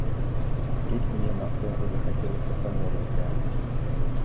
Тут мне надта захацелася самому глянуць.